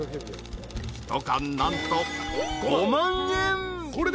［１缶何と５万円］